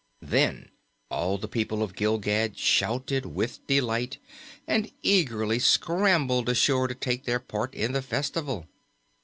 Then all the people of Gilgad shouted with delight and eagerly scrambled ashore to take their part in the festival.